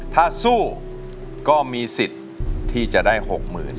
ถ้าสู้ก็มีสิทธิ์ที่จะได้หกหมื่น